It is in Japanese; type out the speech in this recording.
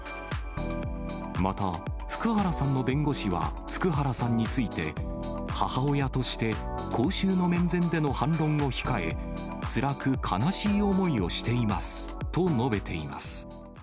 また、福原さんの弁護士は福原さんについて、母親として公衆の面前での反論を控え、つらく悲しい思いをしていますと述べています。